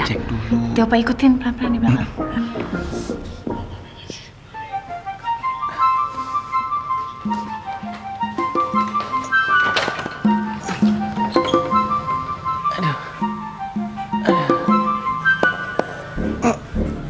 nanti opa ikutin perlahan perlahan di belakang